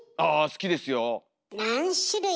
好きですよ。